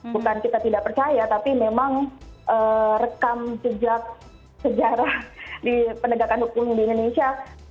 bukan kita tidak percaya tapi memang rekam sejak sejarah di penegakan hukum di indonesia